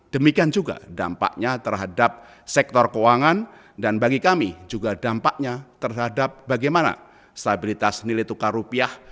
demikian juga dampaknya terhadap sektor keuangan dan bagi kami juga dampaknya terhadap bagaimana stabilitas nilai tukar rupiah